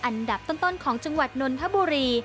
อันดับต้นของจังหวัดนนทบุรี